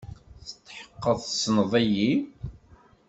Tetḥeqqeḍ tessneḍ-iyi?